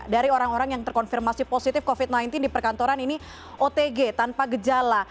dari orang orang yang terkonfirmasi positif covid sembilan belas di perkantoran ini otg tanpa gejala